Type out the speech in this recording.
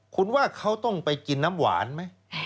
คุณว่าเขาต้องไปกินน้ำหวานไหม